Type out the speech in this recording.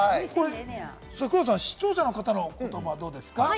視聴者の方の言葉はどうですか？